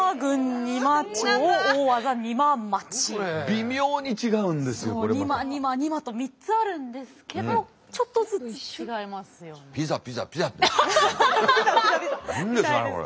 「にまにまにま」と３つあるんですけどちょっとずつ違いますよね。